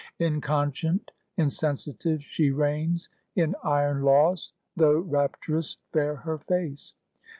Inconscient, insensitive, she reigns In iron laws, though rapturous fair her face.